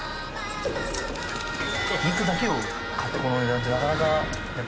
肉だけを買ってこの値段ってなかなか。